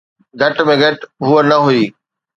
گهٽ ۾ گهٽ هوءَ نه هئي.